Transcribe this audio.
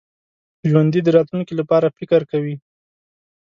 ژوندي د راتلونکي لپاره فکر کوي